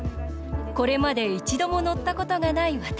これまで一度も乗ったことがない私。